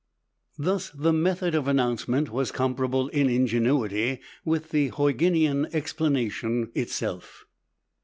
Thus, the method of announcement was comparable in ingenuity with the Huygenian explanation itself.